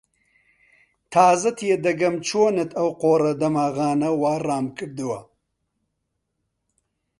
تازە تێدەگەم چۆنت ئەو قۆڕە دەماغانە وا ڕام کردووە